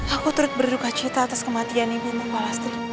aku terus berduka cita atas kematian ibu mopalastri